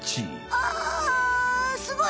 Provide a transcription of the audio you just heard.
あすごい！